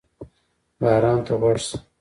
باران ته غوږ شه.